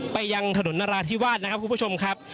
ไปยังถนนนราธิวาสนะครับคุณผู้ชมครับ